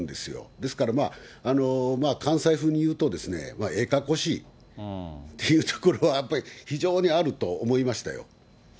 ですから、関西風に言うとですね、ええかっこしいっていうところはやっぱり非常にあると思いましたよ。